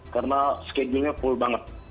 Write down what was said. karena schedule nya full banget